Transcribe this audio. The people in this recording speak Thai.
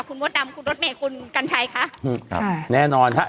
คุณมดดำคุณรถเมย์คุณกัญชัยคะครับแน่นอนฮะ